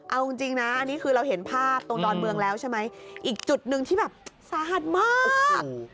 เอาจริงนะอันนี้คือเราเห็นภาพตรงดอนเมืองแล้วใช่ไหมอีกจุดหนึ่งที่แบบสาหัสมาก